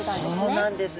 そうなんです。